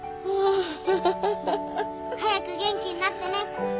早く元気になってね。